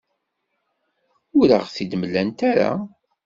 Ur aɣ-t-id-mlant ara.